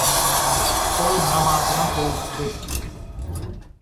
Ol namazyna howlukdy.